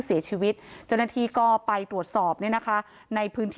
เสียชีวิตเจ้าหน้าที่ก็ไปตรวจสอบเนี่ยนะคะในพื้นที่